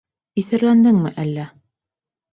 Иҫәрләндеңме әллә?